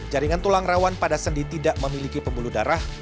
jaringan tulang rawan pada sendi tidak memiliki pembuluh darah